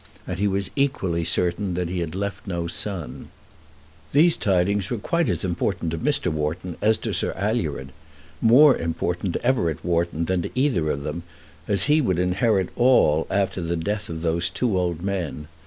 And he was equally certain that he had left no son. These tidings were quite as important to Mr. Wharton as to Sir Alured, more important to Everett Wharton than to either of them, as he would inherit all after the death of those two old men.